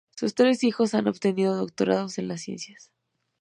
Sus tres hijos han obtenido doctorados en las ciencias.